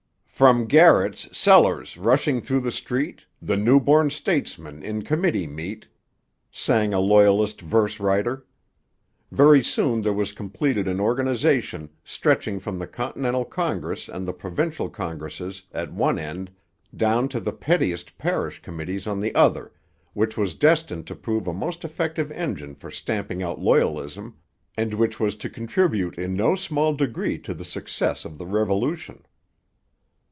From garrets, cellars, rushing through the street, The new born statesmen in committee meet, sang a Loyalist verse writer. Very soon there was completed an organization, stretching from the Continental Congress and the provincial congresses at one end down to the pettiest parish committees on the other, which was destined to prove a most effective engine for stamping out loyalism, and which was to contribute in no small degree to the success of the Revolution.